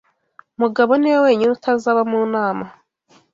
Mugabo niwe wenyine utazaba mu nama.